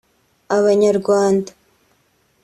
Aba banyarwanda